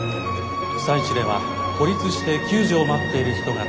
被災地では孤立して救助を待っている人が多数います。